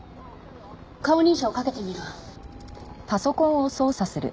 顔認証かけてみるわ。